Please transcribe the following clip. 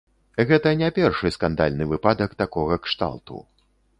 Гэта не першы скандальны выпадак такога кшталту.